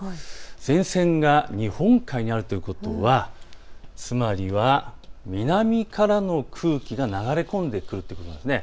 前線が日本海にあるということはつまりは南からの空気が流れ込んでくるということなんです。